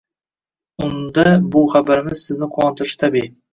Unda bu xabarimiz sizni quvontirishi tabiiy.